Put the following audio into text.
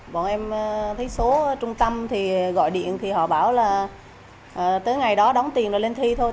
bọn em thấy số trung tâm thì gọi điện thì họ bảo là tới ngày đó đóng tiền rồi lên thi thôi